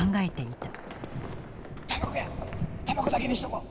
たばこだけにしとこう。